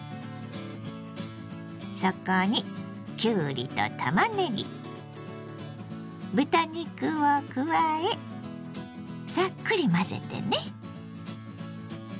そこにきゅうりとたまねぎ豚肉を加えさっくり混ぜてね。